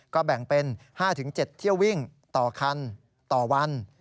ก็แบ่งเป็น๕๗เที่ยววิ่งต่อคันต่อวัน